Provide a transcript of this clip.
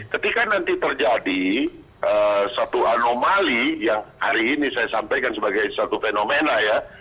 ketika nanti terjadi satu anomali yang hari ini saya sampaikan sebagai satu fenomena ya